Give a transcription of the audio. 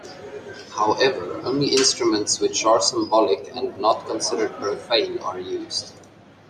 However, only instruments which are symbolic and not considered profane are used.